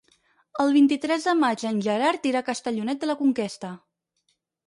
El vint-i-tres de maig en Gerard irà a Castellonet de la Conquesta.